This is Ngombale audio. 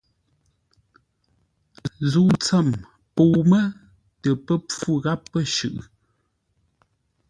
Zə̂u tsəm pəu mə́ tə pə́ pfú gháp pə̂ shʉʼʉ.